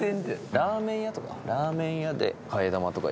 ラーメン屋とか。